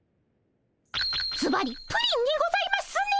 ずばりプリンにございますね。